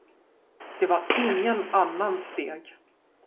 Det var ingen annans steg.